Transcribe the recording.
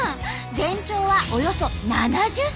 全長はおよそ７０ｃｍ！